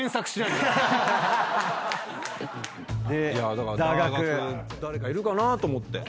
だからだーがく誰かいるかなと思って。